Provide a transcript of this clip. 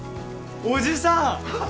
おじさん！